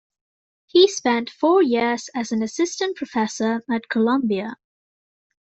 He spent four years as an assistant professor at Columbia.